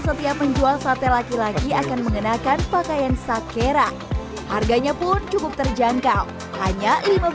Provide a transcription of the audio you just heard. setiap penjual sate laki laki akan mengenakan pakaian sakera harganya pun cukup terjangkau hanya